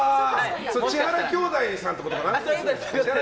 千原兄弟さんってことかな？